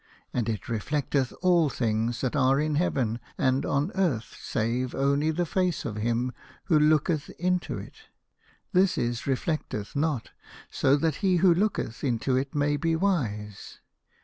And it reflecteth all things that are in heaven and on earth, save only the face of him who looketh into it. This it reflecteth not, so that he who looketh into it may be wise.